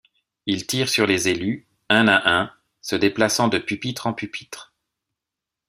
Il tire sur les élus, un à un, se déplaçant de pupitre en pupitre.